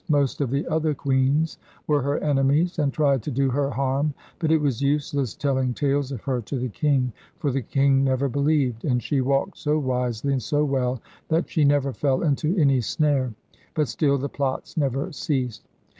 Most of the other queens were her enemies, and tried to do her harm. But it was useless telling tales of her to the king, for the king never believed; and she walked so wisely and so well, that she never fell into any snare. But still the plots never ceased.